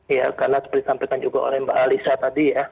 ya karena seperti disampaikan juga oleh mbak alisa tadi ya